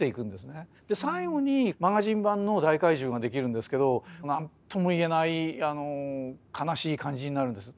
最後に「マガジン」版の「大海獣」が出来るんですけど何とも言えないあの悲しい感じになるんです。